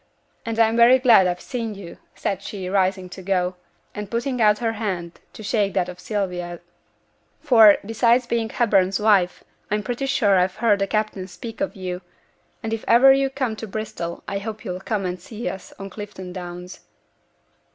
And I'm very glad I've seen you,' said she, rising to go, and putting out her hand to shake that of Sylvia; 'for, besides being Hepburn's wife, I'm pretty sure I've heard the captain speak of you; and if ever you come to Bristol I hope you'll come and see us on Clifton Downs.'